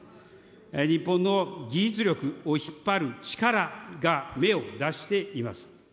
日本の技術力を引っ張る力が芽を出しています。